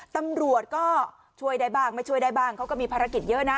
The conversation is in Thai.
ตำรวจก็ช่วยได้บ้างไม่ช่วยได้บ้างเขาก็มีภารกิจเยอะนะ